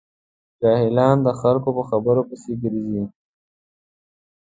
جاهلان د خلکو په خبرو پسې ګرځي.